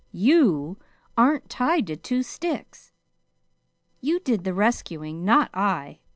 YOU aren't tied to two sticks. You did the rescuing, not I.